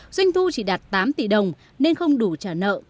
doanh thu chỉ đạt tám tỷ đồng nên không đủ trả nợ